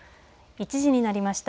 １時になりました。